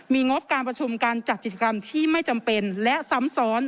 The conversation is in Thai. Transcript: มีงบการประชุมการจัดกิจกรรมที่ไม่จำเป็นและซ้ำซ้อน